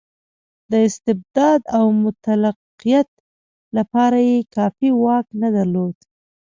د استبداد او مطلقیت لپاره یې کافي واک نه درلود.